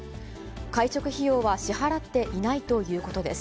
会食費用は支払っていないということです。